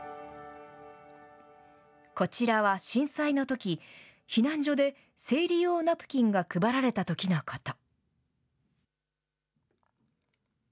こちらは震災のとき、避難所で生理用ナプキンが配られたときのこと。